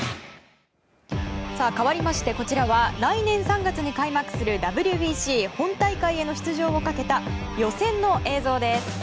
かわりましてこちらは来年３月に開幕するＷＢＣ本大会への出場をかけた予選の映像です。